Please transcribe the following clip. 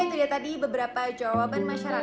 itu dia tadi beberapa jawaban masyarakat